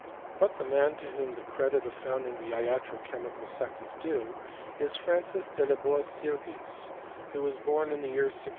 But the man to whom the eiedit of founding the iatro chemical sect is due, is Francis de le Boe Sylvius, who was born in the year 1614.